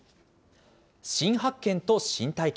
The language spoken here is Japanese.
新発見と新体験。